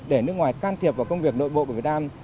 để nước ngoài can thiệp vào công việc nội bộ của việt nam